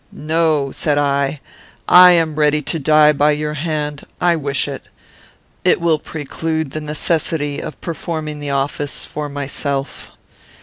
"'No,' said I, 'I am ready to die by your hand. I wish it. It will preclude the necessity of performing the office for myself.